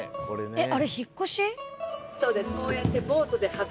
えっ！